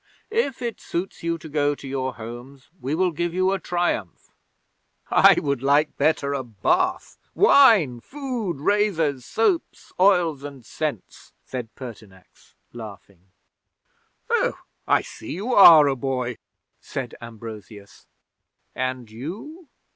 If it suits you to go to your homes, we will give you a Triumph." '"I would like better a bath, wine, food, razors, soaps, oils, and scents," said Pertinax, laughing. '"Oh, I see you are a boy," said Ambrosius. "And you?"